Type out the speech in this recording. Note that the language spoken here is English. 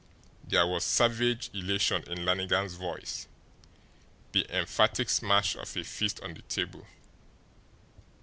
There was savage elation in Lannigan's voice, the emphatic smash of a fist on the table.